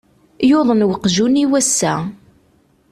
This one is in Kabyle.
Yuḍen uqjun-iw ass-a.